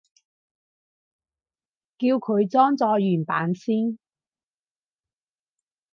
叫佢裝咗原版先